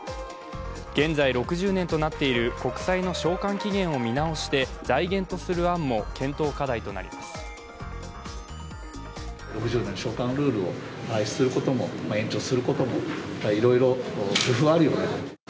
現在６０年となっている国債の償還期間を見直して財源とする案も検討課題となります。